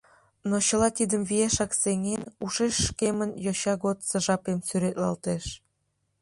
Но чыла тидым виешак сеҥен, ушеш шкемын йоча годсо жапем сӱретлалтеш.